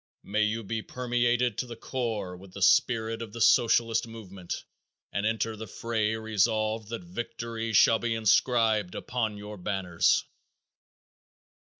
May you be permeated to the core with the spirit of the Socialist movement and enter the fray resolved that victory shall be inscribed upon your banners.